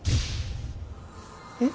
えっ？